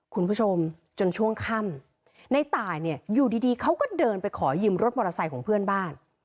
คุณผู้ชมจนช่วงค่ำในตายเนี่ยอยู่ดีเขาก็เดินไปขอยืมรถมอเตอร์ไซค์ของเพื่อนบ้าน